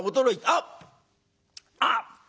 「あっ！あっ！